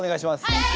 はい！